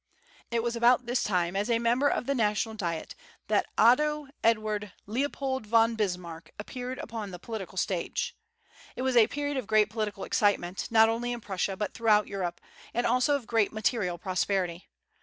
It was about this time, as a member of the National Diet, that Otto Edward Leopold von Bismarck appeared upon the political stage. It was a period of great political excitement, not only in Prussia, but throughout Europe, and also of great material prosperity.